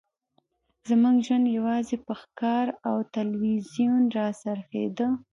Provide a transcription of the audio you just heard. زموږ ژوند یوازې په ښکار او تلویزیون راڅرخیده